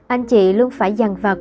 anh chị luôn phải dằn vật